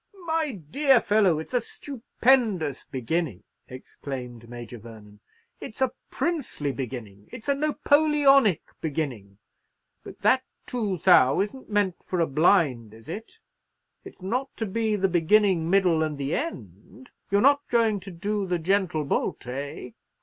"My dear fellow, it's a stupendous beginning!" exclaimed Major Vernon; "it's a princely beginning; it's a Napoleonic beginning. But that two thou isn't meant for a blind, is it? It's not to be the beginning, middle, and the end? You're not going to do the gentle bolt—eh?"